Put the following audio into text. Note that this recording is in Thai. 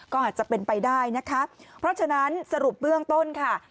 ก็อาจจะเป็นไปได้นะคะเพราะฉะนั้นสรุปเบื้องต้นค่ะ